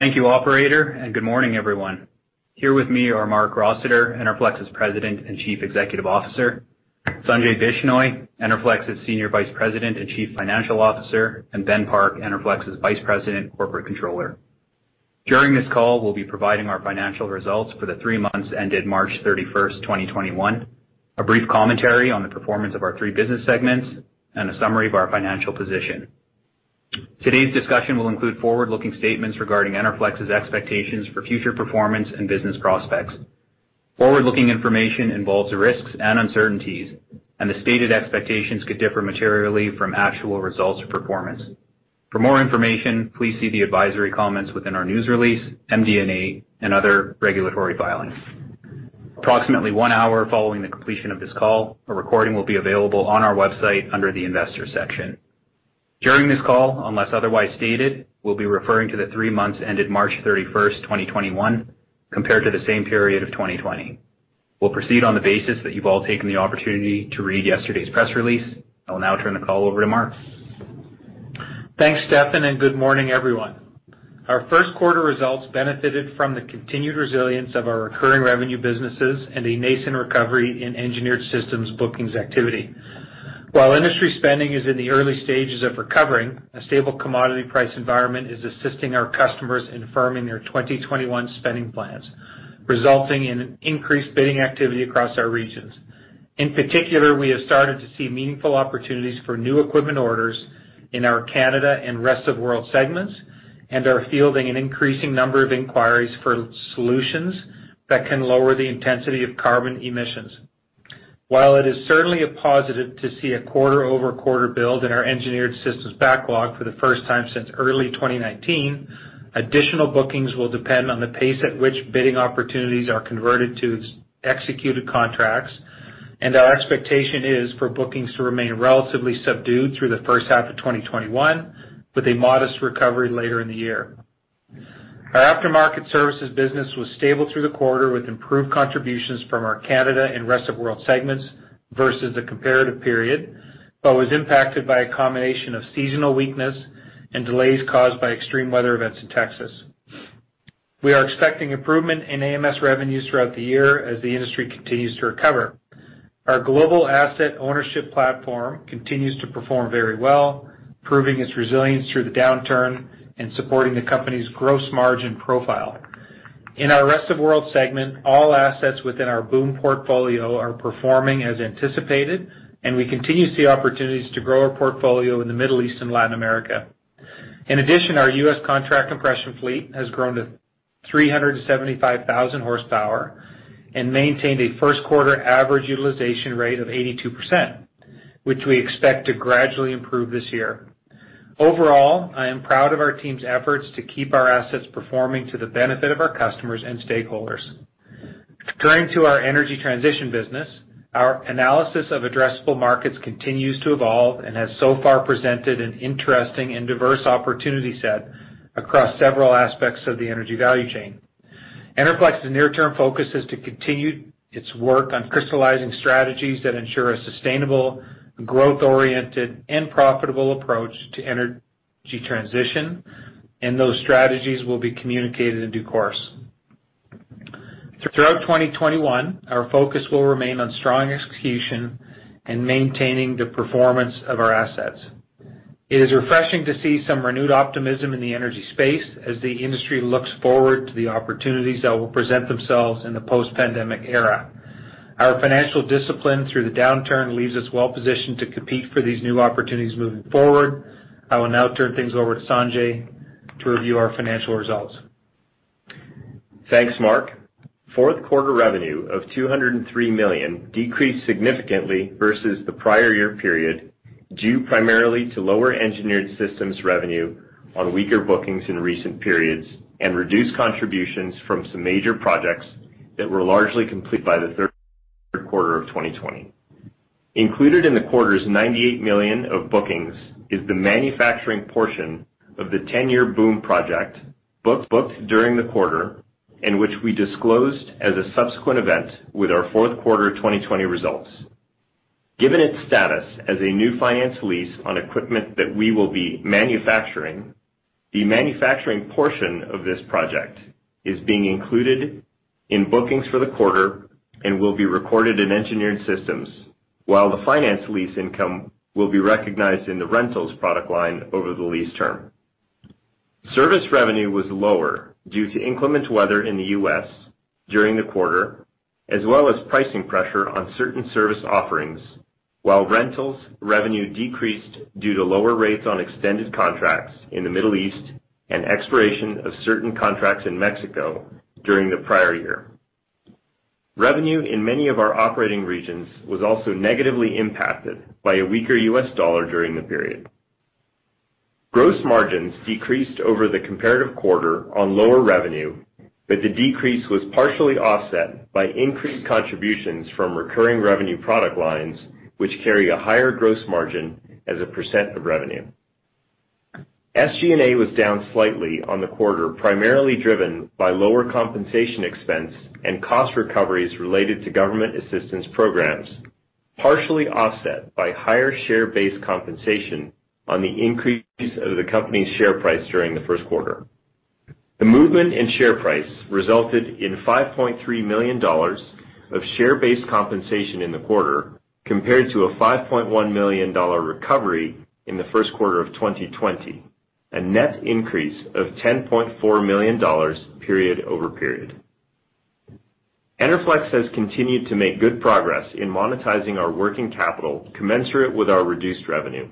Thank you operator, and good morning, everyone. Here with me are Marc Rossiter, Enerflex's President and Chief Executive Officer, Sanjay Bishnoi, Enerflex's Senior Vice President and Chief Financial Officer, and Ben Park, Enerflex's Vice President, Corporate Controller. During this call, we'll be providing our financial results for the three months ended March 31, 2021, a brief commentary on the performance of our three business segments, and a summary of our financial position. Today's discussion will include forward-looking statements regarding Enerflex's expectations for future performance and business prospects. Forward-looking information involves risks and uncertainties, and the stated expectations could differ materially from actual results or performance. For more information, please see the advisory comments within our news release, MD&A, and other regulatory filings. Approximately one hour following the completion of this call, a recording will be available on our website under the investor section. During this call, unless otherwise stated, we'll be referring to the three months ended March 31, 2021, compared to the same period of 2020. We'll proceed on the basis that you've all taken the opportunity to read yesterday's press release. I will now turn the call over to Marc. Thanks, Stefan, and good morning, everyone. Our first quarter results benefited from the continued resilience of our recurring revenue businesses and a nascent recovery in Engineered Systems bookings activity. While industry spending is in the early stages of recovering, a stable commodity price environment is assisting our customers in firming their 2021 spending plans, resulting in increased bidding activity across our regions. In particular, we have started to see meaningful opportunities for new equipment orders in our Canada and Rest of World segments and are fielding an increasing number of inquiries for solutions that can lower the intensity of carbon emissions. While it is certainly a positive to see a quarter-over-quarter build in our Engineered Systems backlog for the first time since early 2019, additional bookings will depend on the pace at which bidding opportunities are converted to executed contracts, and our expectation is for bookings to remain relatively subdued through the first half of 2021, with a modest recovery later in the year. Our Aftermarket Services business was stable through the quarter with improved contributions from our Canada and Rest of World segments versus the comparative period but was impacted by a combination of seasonal weakness and delays caused by extreme weather events in Texas. We are expecting improvement in AMS revenues throughout the year as the industry continues to recover. Our global asset ownership platform continues to perform very well, proving its resilience through the downturn and supporting the company's gross margin profile. In our Rest of World segment, all assets within our BOOM portfolio are performing as anticipated, and we continue to see opportunities to grow our portfolio in the Middle East and Latin America. In addition, our U.S. Contract Compression fleet has grown to 375,000 horsepower and maintained a first quarter average utilization rate of 82%, which we expect to gradually improve this year. Overall, I am proud of our team's efforts to keep our assets performing to the benefit of our customers and stakeholders. Turning to our energy transition business, our analysis of addressable markets continues to evolve and has so far presented an interesting and diverse opportunity set across several aspects of the energy value chain. Enerflex's near-term focus is to continue its work on crystallizing strategies that ensure a sustainable, growth-oriented, and profitable approach to energy transition, and those strategies will be communicated in due course. Throughout 2021, our focus will remain on strong execution and maintaining the performance of our assets. It is refreshing to see some renewed optimism in the energy space as the industry looks forward to the opportunities that will present themselves in the post-pandemic era. Our financial discipline through the downturn leaves us well positioned to compete for these new opportunities moving forward. I will now turn things over to Sanjay to review our financial results. Thanks, Marc. Fourth quarter revenue of 203 million decreased significantly versus the prior year period, due primarily to lower Engineered Systems revenue on weaker bookings in recent periods and reduced contributions from some major projects that were largely complete by the third quarter of 2020. Included in the quarter's 98 million of bookings is the manufacturing portion of the 10-year BOOM project, booked during the quarter and which we disclosed as a subsequent event with our fourth quarter 2020 results. Given its status as a new finance lease on equipment that we will be manufacturing, the manufacturing portion of this project is being included in bookings for the quarter and will be recorded in Engineered Systems, while the finance lease income will be recognized in the rentals product line over the lease term. Service revenue was lower due to inclement weather in the U.S. during the quarter, as well as pricing pressure on certain service offerings, while rentals revenue decreased due to lower rates on extended contracts in the Middle East and expiration of certain contracts in Mexico during the prior year. Revenue in many of our operating regions was also negatively impacted by a weaker U.S. dollar during the period. Gross margins decreased over the comparative quarter on lower revenue, but the decrease was partially offset by increased contributions from recurring revenue product lines, which carry a higher gross margin as a percent of revenue. SG&A was down slightly on the quarter, primarily driven by lower compensation expense and cost recoveries related to government assistance programs, partially offset by higher share-based compensation on the increase of the company's share price during the first quarter. The movement in share price resulted in 5.3 million dollars of share-based compensation in the quarter compared to a 5.1 million dollar recovery in the first quarter of 2020, a net increase of 10.4 million dollars period-over-period. Enerflex has continued to make good progress in monetizing our working capital commensurate with our reduced revenue.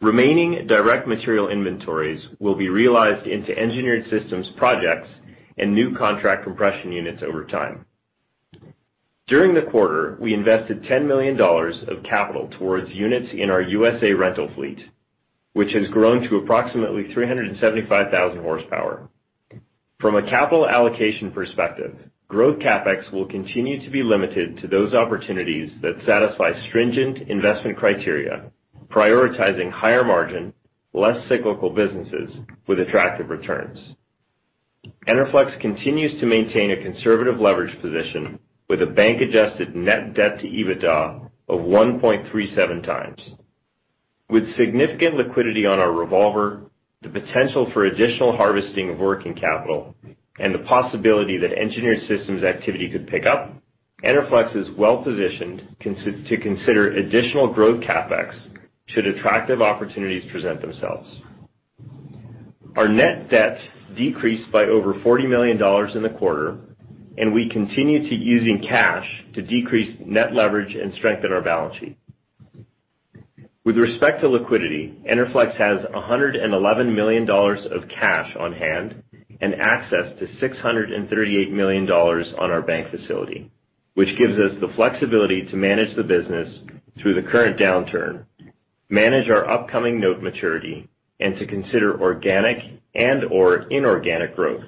Remaining direct material inventories will be realized into Engineered Systems projects and new contract compression units over time. During the quarter, we invested 10 million dollars of capital towards units in our U.S. rental fleet, which has grown to approximately 375,000 horsepower. From a capital allocation perspective, growth CapEx will continue to be limited to those opportunities that satisfy stringent investment criteria, prioritizing higher margin, less cyclical businesses with attractive returns. Enerflex continues to maintain a conservative leverage position with a bank-adjusted net debt-to-EBITDA of 1.37x. With significant liquidity on our revolver, the potential for additional harvesting of working capital, and the possibility that Engineered Systems activity could pick up, Enerflex is well-positioned to consider additional growth CapEx should attractive opportunities present themselves. Our net debt decreased by over 40 million dollars in the quarter, and we continue using cash to decrease net leverage and strengthen our balance sheet. With respect to liquidity, Enerflex has 111 million dollars of cash on hand and access to 638 million dollars on our bank facility, which gives us the flexibility to manage the business through the current downturn, manage our upcoming note maturity, and to consider organic and/or inorganic growth.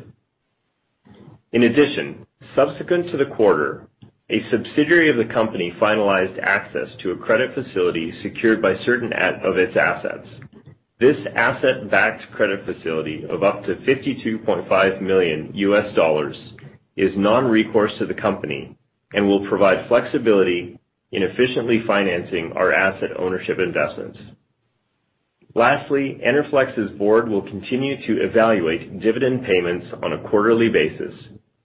Subsequent to the quarter, a subsidiary of the company finalized access to a credit facility secured by certain of its assets. This asset-backed credit facility of up to CAD 52.5 million is non-recourse to the company and will provide flexibility in efficiently financing our asset ownership investments. Lastly, Enerflex's board will continue to evaluate dividend payments on a quarterly basis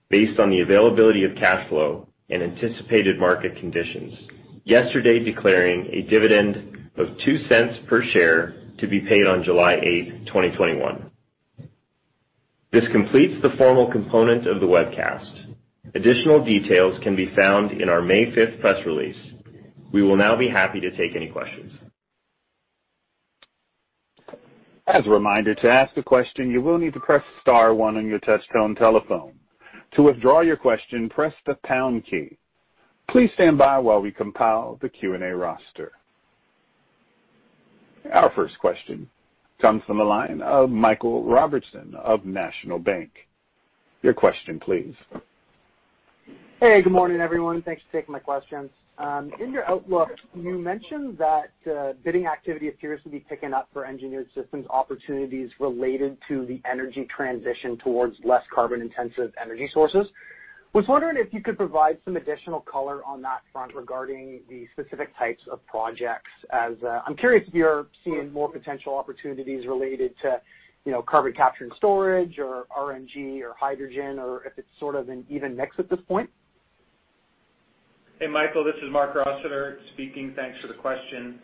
based on the availability of cash flow and anticipated market conditions, yesterday declaring a dividend of 0.02 per share to be paid on July 8, 2021. This completes the formal component of the webcast. Additional details can be found in our May 5 press release. We will now be happy to take any questions. As a reminder, to ask a question, you will need to press star one on your touch-tone telephone. To withdraw your question, press the pound key. Please stand by while we compile the Q&A roster. Our first question comes from the line of Michael Robertson of National Bank. Your question please. Hey, good morning, everyone. Thanks for taking my questions. In your outlook, you mentioned that bidding activity appears to be picking up for Engineered Systems opportunities related to the energy transition towards less carbon-intensive energy sources. I was wondering if you could provide some additional color on that front regarding the specific types of projects as I'm curious if you're seeing more potential opportunities related to carbon capture and storage or RNG or hydrogen, or if it's sort of an even mix at this point. Hey, Michael, this is Marc Rossiter speaking. Thanks for the question.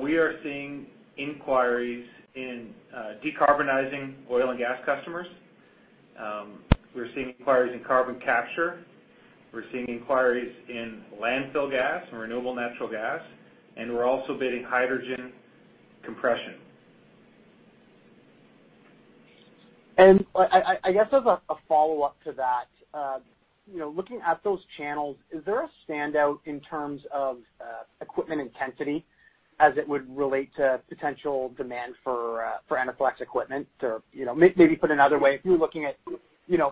We are seeing inquiries in decarbonizing oil and gas customers. We're seeing inquiries in carbon capture. We're seeing inquiries in landfill gas and renewable natural gas, we're also bidding hydrogen compression. I guess as a follow-up to that, looking at those channels, is there a standout in terms of equipment intensity as it would relate to potential demand for Enerflex equipment? Maybe put another way, if you're looking at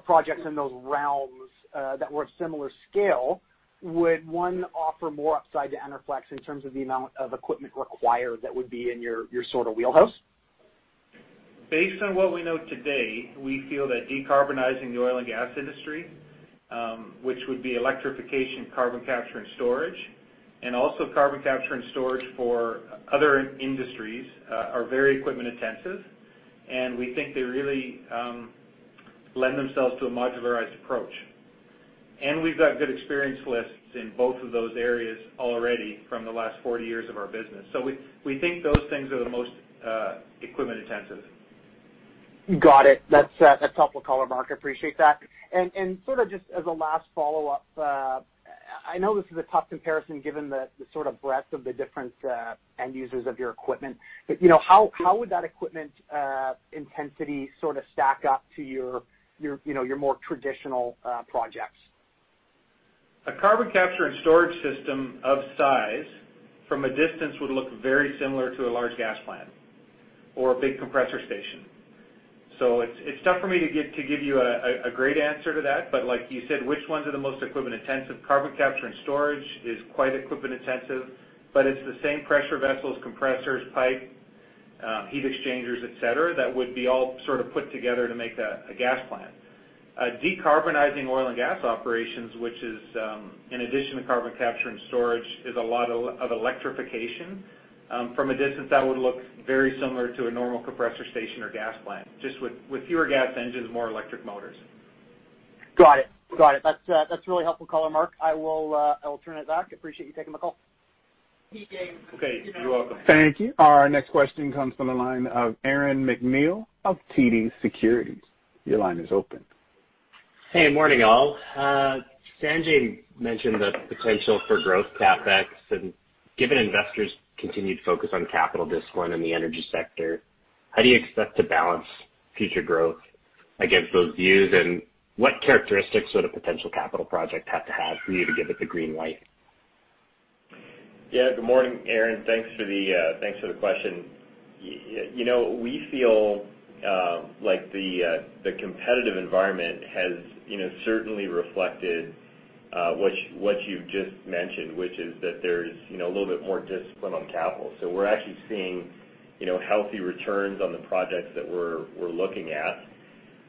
projects in those realms that were of similar scale, would one offer more upside to Enerflex in terms of the amount of equipment required that would be in your sort of wheelhouse? Based on what we know today, we feel that decarbonizing the oil and gas industry, which would be electrification, carbon capture and storage, and also carbon capture and storage for other industries, are very equipment intensive. We think they really lend themselves to a modularized approach. We've got good experience lists in both of those areas already from the last 40 years of our business. We think those things are the most equipment intensive. Got it. That's helpful color, Marc. Appreciate that. Sort of just as a last follow-up, I know this is a tough comparison given the sort of breadth of the different end users of your equipment, but how would that equipment intensity sort of stack up to your more traditional projects? A carbon capture and storage system of size from a distance would look very similar to a large gas plant or a big compressor station. It's tough for me to give you a great answer to that. Like you said, which ones are the most equipment intensive? Carbon capture and storage is quite equipment intensive, it's the same pressure vessels, compressors, pipe, heat exchangers, et cetera, that would be all put together to make that a gas plant. Decarbonizing oil and gas operations, which is in addition to carbon capture and storage, is a lot of electrification. From a distance, that would look very similar to a normal compressor station or gas plant, just with fewer gas engines, more electric motors. Got it. That's a really helpful color, Marc. I will turn it back. Appreciate you taking the call. Okay. You're welcome. Thank you. Our next question comes from the line of Aaron MacNeil of TD Securities. Your line is open. Hey, morning all. Sanjay mentioned the potential for growth CapEx, and given investors' continued focus on capital discipline in the energy sector, how do you expect to balance future growth against those views? What characteristics would a potential capital project have to have for you to give it the green light? Yeah. Good morning, Aaron. Thanks for the question. We feel like the competitive environment has certainly reflected what you've just mentioned, which is that there's a little bit more discipline on capital. We're actually seeing healthy returns on the projects that we're looking at.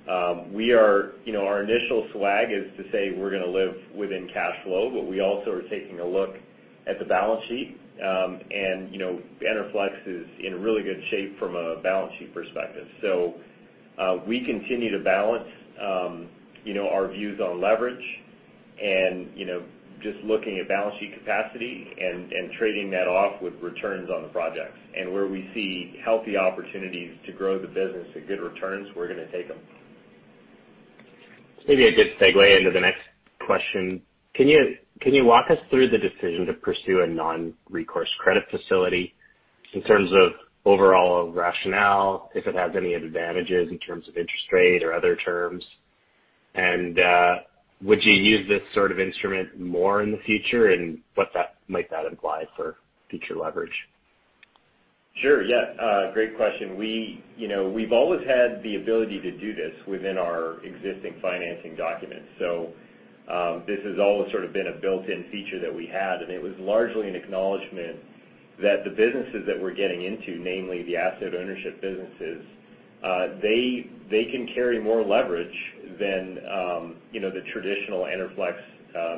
Our initial swag is to say we're going to live within cash flow, but we also are taking a look at the balance sheet. Enerflex is in really good shape from a balance sheet perspective. We continue to balance our views on leverage and just looking at balance sheet capacity and trading that off with returns on the projects. Where we see healthy opportunities to grow the business at good returns, we're going to take them. This may be a good segue into the next question. Can you walk us through the decision to pursue a non-recourse credit facility in terms of overall rationale, if it has any advantages in terms of interest rate or other terms, and would you use this sort of instrument more in the future, and what that might imply for future leverage? Sure. Yeah. Great question. We've always had the ability to do this within our existing financing documents. This has always sort of been a built-in feature that we had, and it was largely an acknowledgement that the businesses that we're getting into, namely the asset ownership businesses, they can carry more leverage than the traditional Enerflex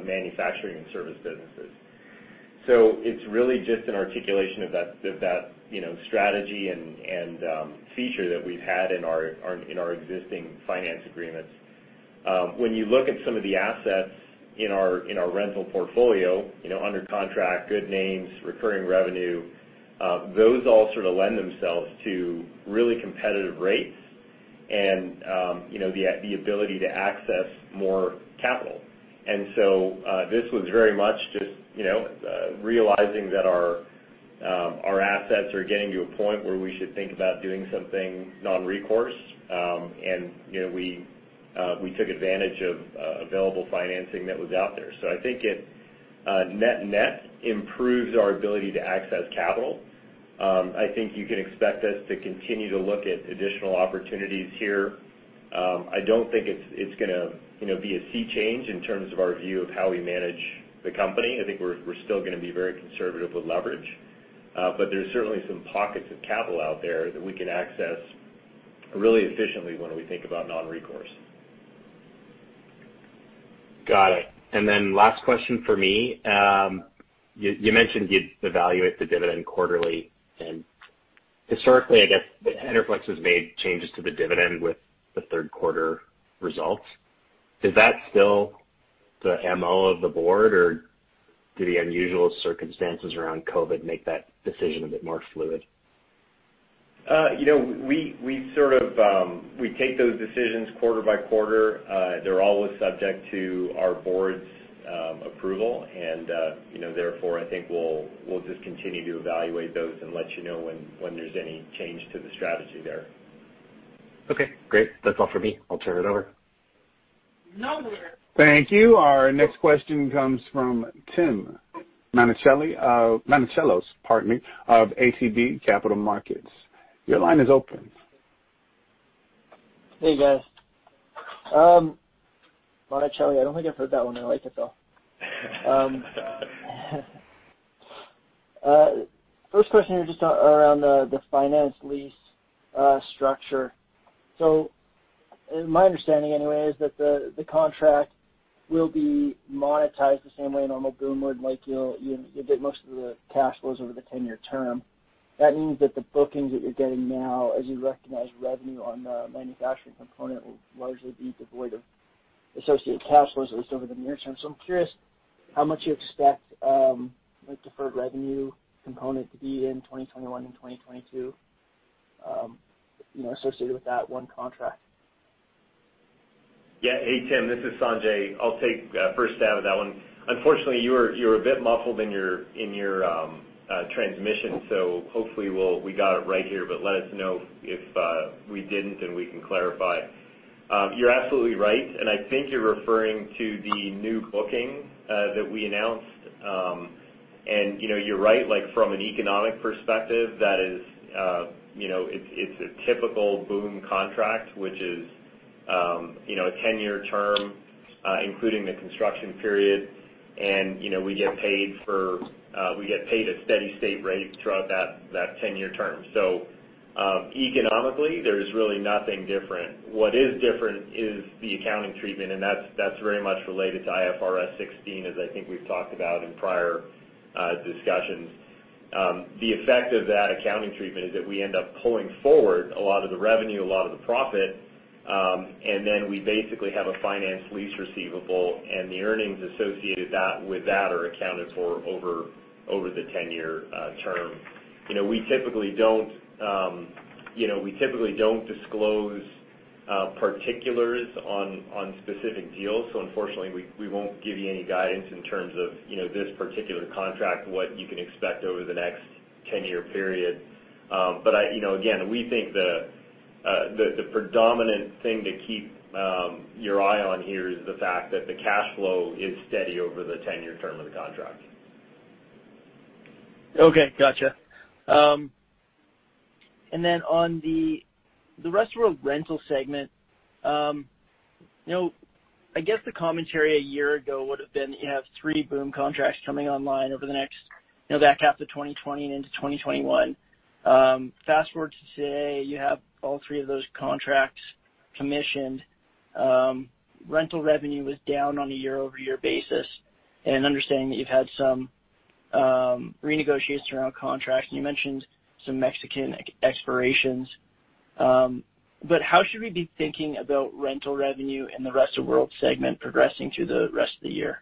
manufacturing and service businesses. It's really just an articulation of that strategy and feature that we've had in our existing finance agreements. When you look at some of the assets in our rental portfolio, under contract, good names, recurring revenue, those all sort of lend themselves to really competitive rates and the ability to access more capital. This was very much just realizing that our assets are getting to a point where we should think about doing something non-recourse. We took advantage of available financing that was out there. I think it, net-net, improves our ability to access capital. I think you can expect us to continue to look at additional opportunities here. I don't think it's going to be a sea change in terms of our view of how we manage the company. I think we're still going to be very conservative with leverage. There's certainly some pockets of capital out there that we can access really efficiently when we think about non-recourse. Got it. Last question from me. You mentioned you'd evaluate the dividend quarterly, and historically, I guess Enerflex has made changes to the dividend with the third quarter results. Is that still the MO of the board, or do the unusual circumstances around COVID make that decision a bit more fluid? We take those decisions quarter by quarter. They're always subject to our board's approval. Therefore, I think we'll just continue to evaluate those and let you know when there's any change to the strategy there. Okay, great. That's all from me. I'll turn it over. Thank you. Our next question comes from Tim Monachello of-- Monachello, pardon me, of ATB Capital Markets. Your line is open. Hey, guys. Tim Monachello, I don't think I've heard that one. I like it, though. First question is just around the finance lease structure. My understanding, anyway, is that the contract will be monetized the same way a normal BOOM would, like you'll get most of the cash flows over the 10-year term. That means that the bookings that you're getting now, as you recognize revenue on the manufacturing component, will largely be devoid of associated cash flows, at least over the near term. I'm curious how much you expect the deferred revenue component to be in 2021 and 2022 associated with that one contract. Yeah. Hey, Tim. This is Sanjay. I'll take a first stab at that one. Unfortunately, you're a bit muffled in your transmission, so hopefully we got it right here, but let us know if we didn't, and we can clarify. You're absolutely right. I think you're referring to the new booking that we announced. You're right, from an economic perspective, it's a typical BOOM contract, which is a 10-year term, including the construction period, and we get paid a steady state rate throughout that 10-year term. Economically, there's really nothing different. What is different is the accounting treatment, and that's very much related to IFRS 16, as I think we've talked about in prior discussions. The effect of that accounting treatment is that we end up pulling forward a lot of the revenue, a lot of the profit, then we basically have a finance lease receivable, and the earnings associated with that are accounted for over the 10-year term. We typically don't disclose particulars on specific deals, so unfortunately we won't give you any guidance in terms of this particular contract, what you can expect over the next 10-year period. Again, we think the predominant thing to keep your eye on here is the fact that the cash flow is steady over the 10-year term of the contract. Okay. Got you. On the Rest of World Rental segment, I guess the commentary a year ago would've been that you have three BOOM contracts coming online over the next back half of 2020 and into 2021. Fast-forward to today, you have all three of those contracts commissioned. Rental revenue was down on a year-over-year basis, understanding that you've had some renegotiation around contracts, and you mentioned some Mexican expirations. How should we be thinking about rental revenue in the Rest of World segment progressing through the rest of the year?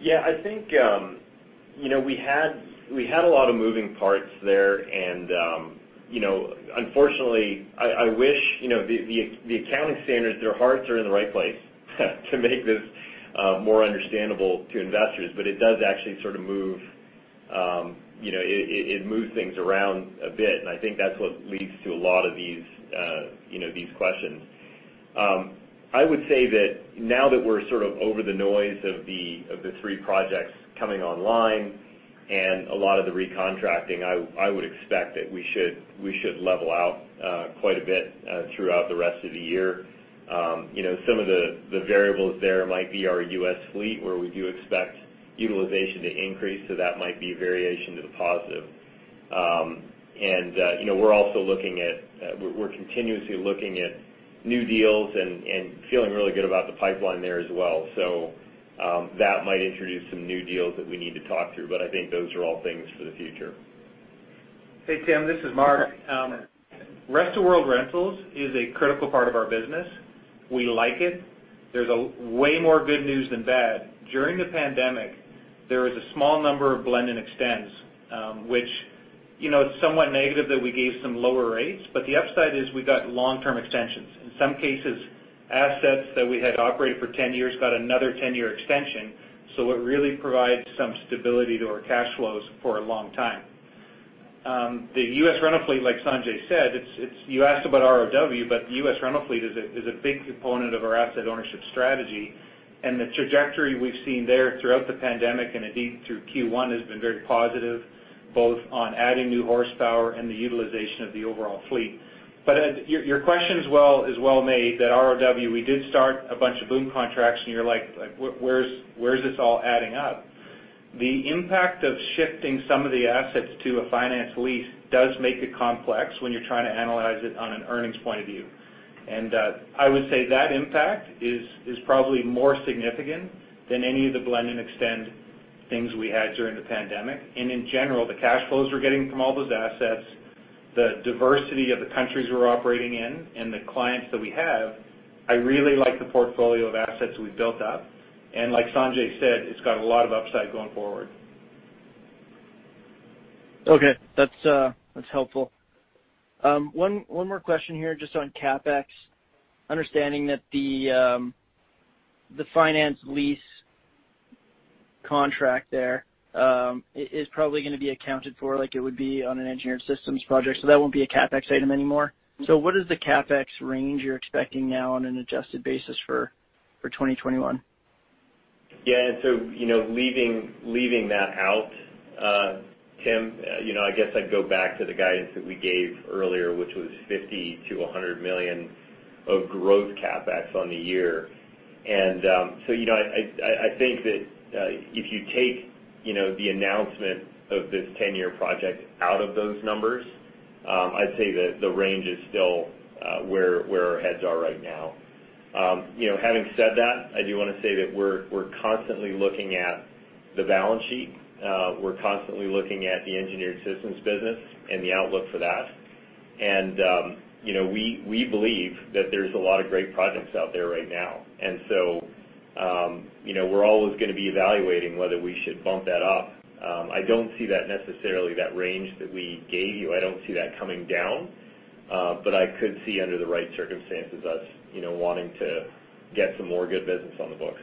I think we had a lot of moving parts there and unfortunately, I wish the accounting standards, their hearts are in the right place to make this more understandable to investors. It does actually sort of move things around a bit, and I think that's what leads to a lot of these questions. I would say that now that we're sort of over the noise of the three projects coming online and a lot of the recontracting, I would expect that we should level out quite a bit throughout the rest of the year. Some of the variables there might be our U.S. fleet, where we do expect utilization to increase, so that might be a variation to the positive. We're continuously looking at new deals and feeling really good about the pipeline there as well. That might introduce some new deals that we need to talk through, but I think those are all things for the future. Hey, Tim, this is Marc. Rest of World Rentals is a critical part of our business. We like it. There's way more good news than bad. During the pandemic, there was a small number of blend-and-extends, which it's somewhat negative that we gave some lower rates, but the upside is we got long-term extensions. In some cases, assets that we had operated for 10 years got another 10-year extension, so it really provides some stability to our cash flows for a long time. The U.S. rental fleet, like Sanjay said, you asked about ROW, but the U.S. rental fleet is a big component of our asset ownership strategy, and the trajectory we've seen there throughout the pandemic and indeed through Q1 has been very positive, both on adding new horsepower and the utilization of the overall fleet. Your question is well made, that ROW, we did start a bunch of BOOM contracts and you're like, "Where's this all adding up?" The impact of shifting some of the assets to a finance lease does make it complex when you're trying to analyze it on an earnings point of view. I would say that impact is probably more significant than any of the blend-and-extend things we had during the pandemic. In general, the cash flows we're getting from all those assets, the diversity of the countries we're operating in, and the clients that we have, I really like the portfolio of assets we've built up. Like Sanjay said, it's got a lot of upside going forward. Okay. That's helpful. One more question here, just on CapEx. Understanding that the finance lease contract there is probably gonna be accounted for like it would be on an Engineered Systems project, that won't be a CapEx item anymore. What is the CapEx range you're expecting now on an adjusted basis for 2021? Yeah. Leaving that out, Tim, I guess I'd go back to the guidance that we gave earlier, which was 50 million-100 million of growth CapEx on the year. I think that if you take the announcement of this 10-year project out of those numbers, I'd say that the range is still where our heads are right now. Having said that, I do want to say that we're constantly looking at the balance sheet. We're constantly looking at the Engineered Systems business and the outlook for that. We believe that there's a lot of great projects out there right now. We're always gonna be evaluating whether we should bump that up. I don't see that necessarily, that range that we gave you, I don't see that coming down. I could see under the right circumstances us wanting to get some more good business on the books.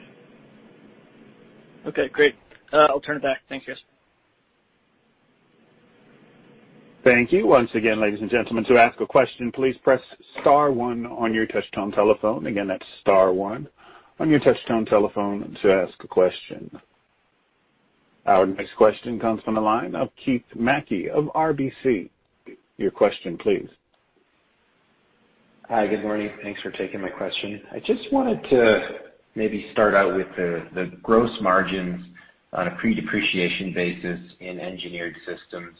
Okay, great. I'll turn it back. Thank you guys. Thank you once again, ladies and gentlemen. To ask a question, please press star one on your touchtone telephone. Again, that's star one on your touchtone telephone to ask a question. Our next question comes from the line of Keith MacKey of RBC Capital Markets. Your question, please. Hi. Good morning. Thanks for taking my question. I just wanted to maybe start out with the gross margins on a pre-depreciation basis in Engineered Systems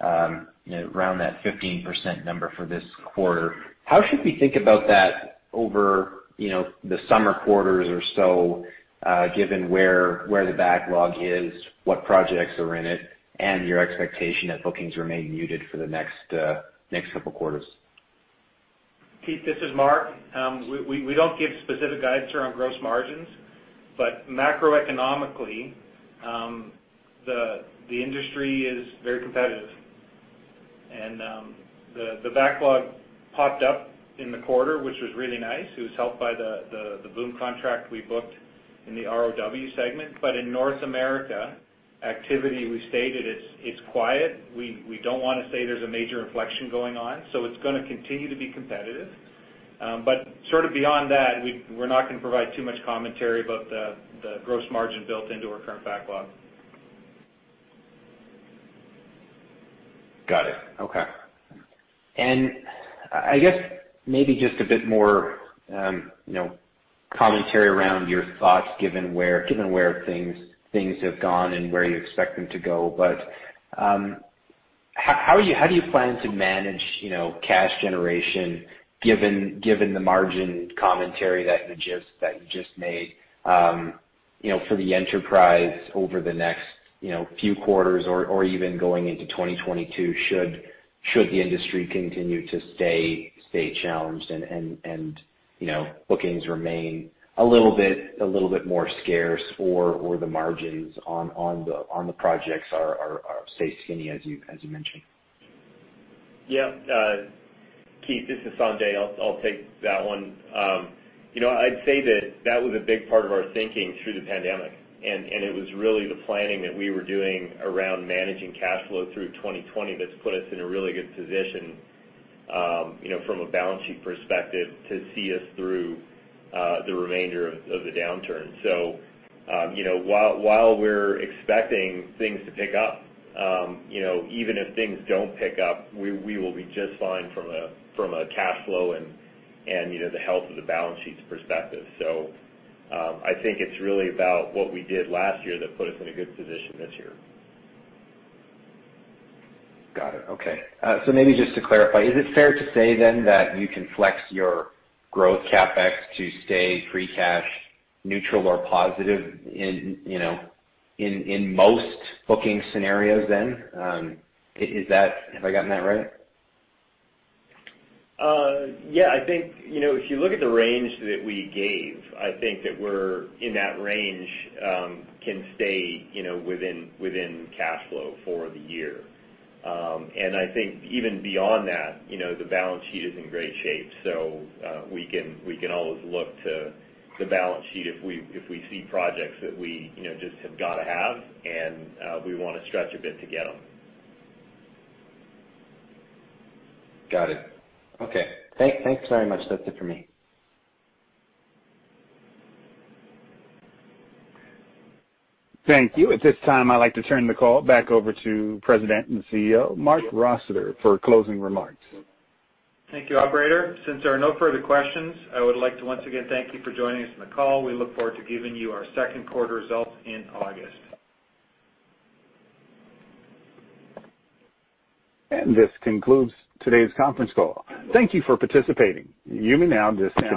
around that 15% number for this quarter. How should we think about that over the summer quarters or so, given where the backlog is, what projects are in it, and your expectation that bookings remain muted for the next couple of quarters? Keith, this is Marc. We don't give specific guidance around gross margins. Macroeconomically, the industry is very competitive. The backlog popped up in the quarter, which was really nice. It was helped by the BOOM contract we booked in the ROW segment. In North America, activity, we stated it's quiet. We don't want to say there's a major inflection going on, it's going to continue to be competitive. Sort of beyond that, we're not going to provide too much commentary about the gross margin built into our current backlog. Got it. Okay. I guess maybe just a bit more commentary around your thoughts, given where things have gone and where you expect them to go. How do you plan to manage cash generation, given the margin commentary that you just made for the enterprise over the next few quarters or even going into 2022, should the industry continue to stay challenged and bookings remain a little bit more scarce or the margins on the projects stay skinny, as you mentioned? Yeah. Keith, this is Sanjay. I'll take that one. I'd say that was a big part of our thinking through the pandemic. It was really the planning that we were doing around managing cash flow through 2020 that's put us in a really good position from a balance sheet perspective to see us through the remainder of the downturn. While we're expecting things to pick up, even if things don't pick up, we will be just fine from a cash flow and the health of the balance sheet perspective. I think it's really about what we did last year that put us in a good position this year. Got it. Okay. Maybe just to clarify, is it fair to say then that you can flex your growth CapEx to stay free cash neutral or positive in most booking scenarios then? Have I gotten that right? Yeah. If you look at the range that we gave, I think that we're in that range can stay within cash flow for the year. I think even beyond that, the balance sheet is in great shape. We can always look to the balance sheet if we see projects that we just have got to have, and we want to stretch a bit to get them. Got it. Okay. Thanks very much. That's it for me. Thank you. At this time, I'd like to turn the call back over to President and CEO, Marc Rossiter, for closing remarks. Thank you, operator. Since there are no further questions, I would like to once again thank you for joining us on the call. We look forward to giving you our second quarter results in August. This concludes today's conference call. Thank you for participating. You may now disconnect.